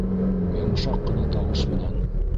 Йомшаҡ ҡына тауыш менән: